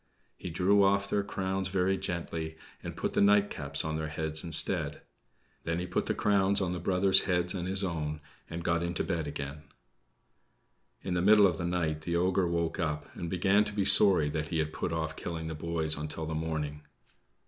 He drew off their crowns very gently, and put the nightcaps on their heads instead. Then he put the crowns on his brothers' heads and his own, and got into bed again. In the middle of the night the ogre woke up, and began to be sorry that he had put off killing the boys until the morning.